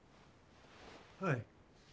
はい。